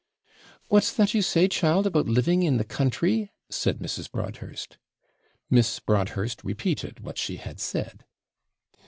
'What's that you say, child, about living in the country?' said Mrs. Broadhurst. Miss Broadhurst repeated what she had said.